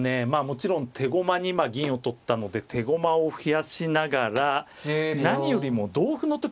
もちろん手駒に今銀を取ったので手駒を増やしながら何よりも同歩の時